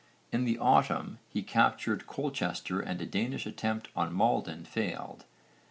In the autumn he captured Colchester and a Danish attempt on Maldon failed.